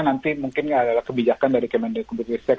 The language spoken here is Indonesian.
nanti mungkin adalah kebijakan dari kemendikbud ristek